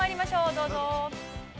どうぞ。